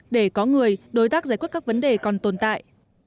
để có người đối tác giải quyết các vấn đề còn tồn tại